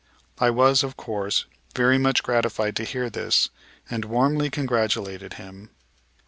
I was, of course, very much gratified to hear this and warmly congratulated him.